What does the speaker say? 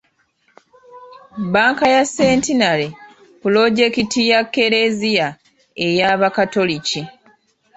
Bbanka ya Centenary pulojekiti ya kereziya ey'abakatoliki.